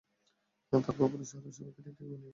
তারপর পুরো শহরের সবাইকেই টিকটিকি বানিয়ে ফেলতে চেয়েছিল।